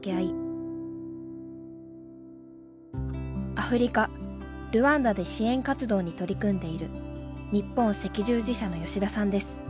アフリカルワンダで支援活動に取り組んでいる日本赤十字社の吉田さんです。